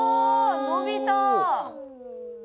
伸びた！